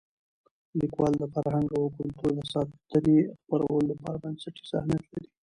لیکوالی د فرهنګ او کلتور د ساتنې او خپرولو لپاره بنسټیز اهمیت لري.